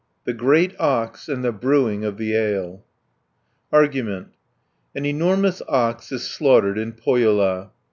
THE GREAT OX, AND THE BREWING OF THE ALE Argument An enormous ox is slaughtered in Pohjola (1 118).